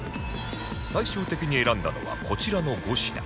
最終的に選んだのはこちらの５品